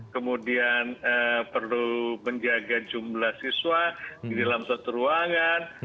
kemudian perlu menjaga jumlah siswa di dalam suatu ruangan